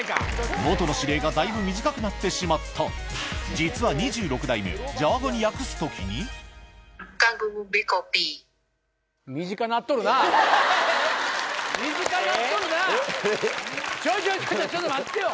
元の指令がだいぶ短くなってしまった実は２６台目ジャワ語に訳す時にちょいちょいちょっと待ってよ